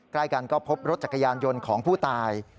ใกล้กันก็พบรถจักรยานยนต์ของผู้ตาย